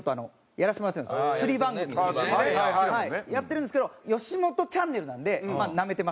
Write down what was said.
やってるんですけど吉本チャンネルなんでなめてます